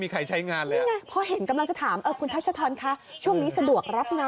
ดังวางขาวอีกนะ